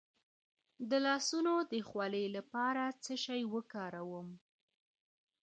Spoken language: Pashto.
د لاسونو د خولې لپاره څه شی وکاروم؟